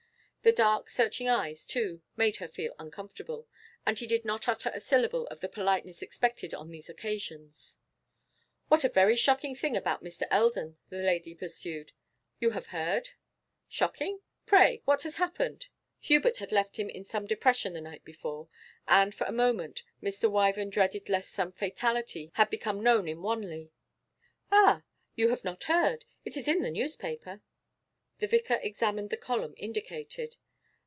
The dark searching eyes, too, made her feel uncomfortable. And he did not utter a syllable of the politeness expected on these occasions. 'What a very shocking thing about Mr. Eldon!' the lady pursued. 'You have heard?' 'Shocking? Pray, what has happened?' Hubert had left him in some depression the night before, and for a moment Mr. Wyvern dreaded lest some fatality had become known in Wanley. 'Ah, you have not heard? It is in this newspaper.' The vicar examined the column indicated.